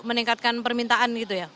meningkatkan permintaan gitu ya